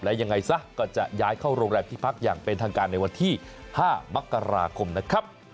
และยังไงซะก็จะย้ายเข้าโรงแรมที่พักอย่างเป็นทางการในวันที่๕มกราคมนะครับ